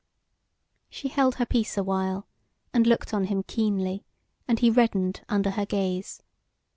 She held her peace awhile, and looked on him keenly; and he reddened under her gaze.